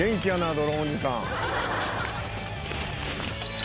ドローンおじさん」